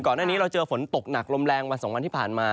ก่อนอันนี้เราเจอฝนตกหนักลมแรงวันสองวันที่ผ่านมา